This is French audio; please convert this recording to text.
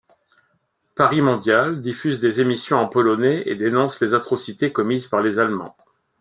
Paris-Mondial diffuse des émissions en polonais et dénonce les atrocités commises par les Allemands.